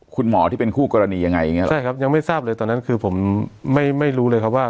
คุณหมอที่เป็นคู่กรณียังไงอย่างเงี้หรอใช่ครับยังไม่ทราบเลยตอนนั้นคือผมไม่รู้เลยครับว่า